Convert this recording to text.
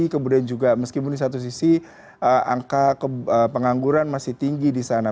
kemudian juga meskipun di satu sisi angka pengangguran masih tinggi di sana